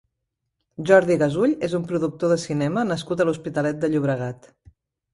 Jordi Gasull és un productor de cinema nascut a l'Hospitalet de Llobregat.